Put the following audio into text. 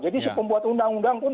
jadi sepembuat undang undang pun